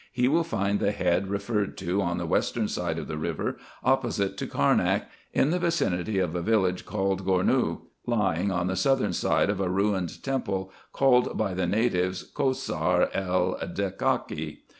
He will find the head referred to on the western side of the river, opposite to Carnak, in the vicinity of a village called Gornou, lying on the southern side of a ruined temple, called by the natives Kossar el Dekaki.